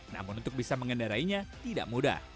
namun untuk bisa mengendarainya tidak mudah